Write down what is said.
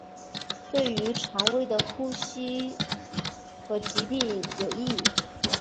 对于胃肠和呼吸的疾病有益。